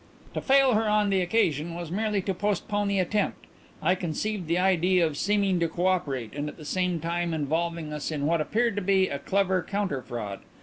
"To fail her on the occasion was merely to postpone the attempt. I conceived the idea of seeming to cooperate and at the same time involving us in what appeared to be a clever counter fraud.